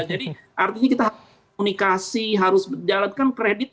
jadi artinya kita harus komunikasi harus menjalankan kredit